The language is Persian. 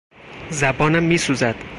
زبانم میسوزد.